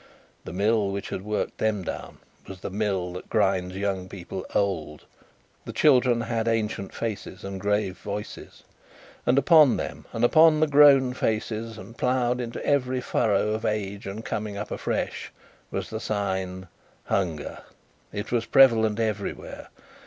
The mill which had worked them down, was the mill that grinds young people old; the children had ancient faces and grave voices; and upon them, and upon the grown faces, and ploughed into every furrow of age and coming up afresh, was the sigh, Hunger. It was prevalent everywhere.